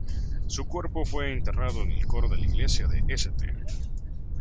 Su cuerpo fue enterrado en el coro de la iglesia de St.